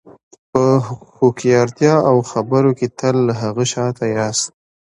په هوښیارتیا او خبرو کې تل له هغه شاته یاست.